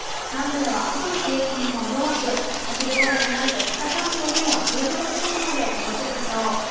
南部では朝の冷え込みも弱く、お昼ごろになると北関東でも１５度前後まで届くでしょう。